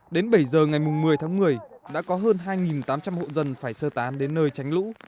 đến bảy giờ ngày một mươi tháng một mươi đã có hơn hai tám trăm linh hộ dân phải sơ tán đến nơi tránh lũ